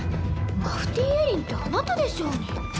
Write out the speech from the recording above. マフティー・エリンってあなたでしょうに。